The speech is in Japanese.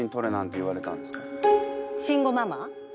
慎吾ママ。